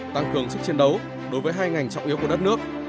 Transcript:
tăng cường sức chiến đấu đối với hai ngành trọng yếu của đất nước